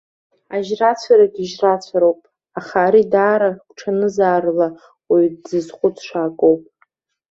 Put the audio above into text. Ажьрацәарагьы жьрацәароуп, аха ари даара гәҽанызаарыла уаҩ дзызхәыцша акоуп.